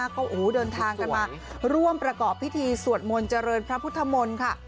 ก็เดินทางกันมาร่วมประกอบพิธีสวดมนต์เจริญพระพุทธมนต์ค่ะ